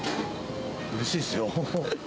うれしいっすよ。